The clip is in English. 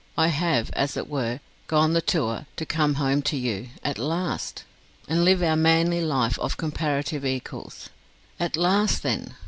I have, as it were, gone the tour, to come home to you at last? and live our manly life of comparative equals. At last, then!